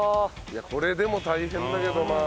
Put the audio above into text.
いやこれでも大変だけどまあ。